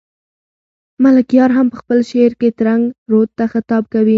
ملکیار هم په خپل شعر کې ترنک رود ته خطاب کوي.